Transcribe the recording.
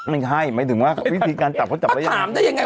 ไม่ใช่หมายถึงว่าวิธีการจับเขาจับได้ถามได้ยังไง